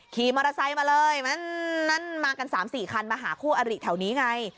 ขี่มอเตอร์ไซค์มาเลยนั่นมากัน๓๔คันมาหาคู่อริแถวนี้ไง